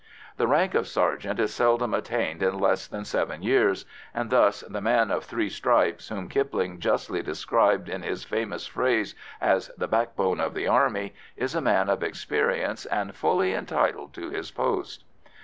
The rank of sergeant is seldom attained in less than seven years, and thus the man of three stripes whom Kipling justly described in his famous phrase "as the backbone of the Army" is a man of experience and fully entitled to his post.